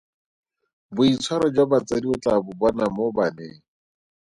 Boitshwaro jwa batsadi o tla bo bona mo baneng.